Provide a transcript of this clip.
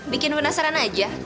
bikin penasaran aja